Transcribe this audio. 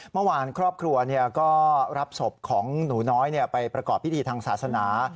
เมื่อวานครอบครัวก็รับศพของหนูน้อยไปประกอบพิธีทางศาสนา